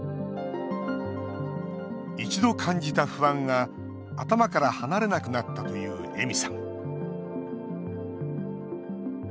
一度、感じた不安が頭から離れなくなったというえみさん。